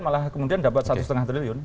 malah kemudian dapat satu lima triliun